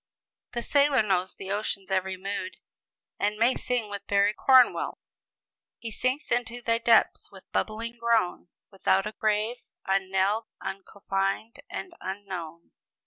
The sailor knows the ocean's every mood, and may sing with Barry Cornwall: [Illustration: "HE SINKS INTO THY DEPTHS, WITH BUBBLING GROAN, WITHOUT A GRAVE, UNKNELLED, UNCOFFINED, AND UNKNOWN."